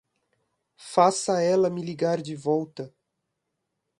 Faça ela me ligar de volta!